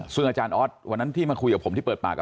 ซึ่งอาจารย์ออสวันนั้นที่มาคุยกับผมที่เปิดปากกับ